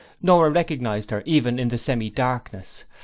Nora recognized her even in the semi darkness.